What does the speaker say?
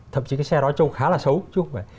thậm chí cái xe đó trông khá là xấu chứ không phải